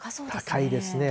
高いですね。